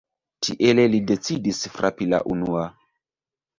Tiele li decidis frapi la unua.